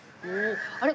あれ？